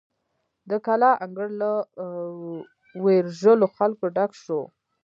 د کلا انګړ له ویرژلو خلکو ډک شو.